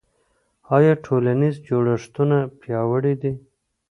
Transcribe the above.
آیا ټولنیز جوړښتونه پیاوړي دي؟